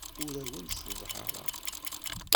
Ur awen-sseḍhareɣ.